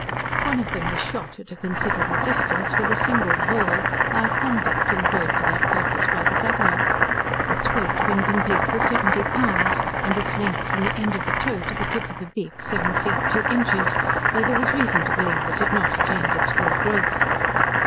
One of them was shot, at a considerable distance, with a single ball, by a convict employed for that purpose by the Governor; its weight, when complete, was seventy pounds, and its length from the end of the toe to the tip of the beak, seven feet two inches, though there was reason to believe it had not attained its full growth.